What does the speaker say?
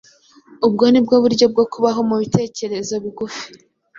ubwo ni uburyo bwo kubaho mu bitekerezo bigufi.